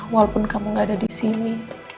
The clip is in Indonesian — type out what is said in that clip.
walaupun kamu nggak ada disini